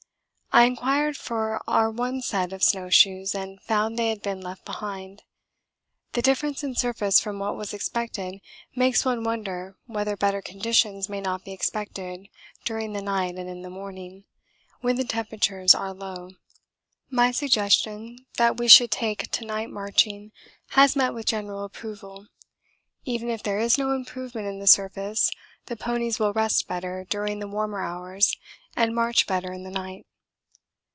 I inquired for our one set of snow shoes and found they had been left behind. The difference in surface from what was expected makes one wonder whether better conditions may not be expected during the night and in the morning, when the temperatures are low. My suggestion that we should take to night marching has met with general approval. Even if there is no improvement in the surface the ponies will rest better during the warmer hours and march better in the night.